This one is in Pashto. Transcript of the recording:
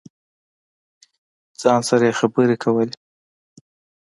ځان سره یې خبرې کولې.